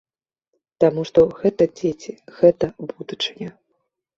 Таму што гэта дзеці, гэта будучыня.